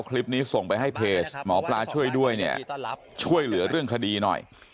คลิปนี้ส่งไปให้เพจหมอปลาช่วยด้วยเนี่ยช่วยเหลือเรื่องคดีหน่อย